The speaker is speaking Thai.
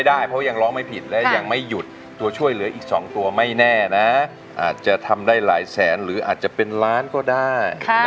อาจจะทำได้หลายแสนหรืออาจจะเป็นล้านก็ได้